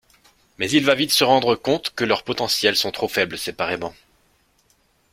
Mais il va vite se rendre compte que leurs potentiels sont trop faibles séparément.